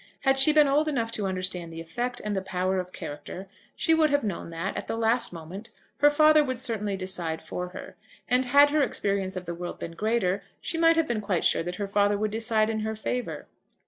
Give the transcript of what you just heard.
Had she been old enough to understand the effect and the power of character, she would have known that, at the last moment, her father would certainly decide for her, and had her experience of the world been greater, she might have been quite sure that her father would decide in her favour.